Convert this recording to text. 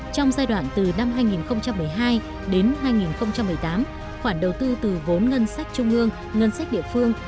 trong giai đoạn từ năm hai nghìn một mươi hai đến hai nghìn một mươi tám khoản đầu tư từ vốn ngân sách trung ương ngân sách địa phương